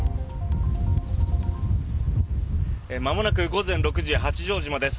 まもなく午前６時八丈島です。